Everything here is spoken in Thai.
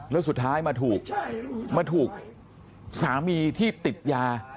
แล้วสุดท้ายมาถูกสามีที่ติบยา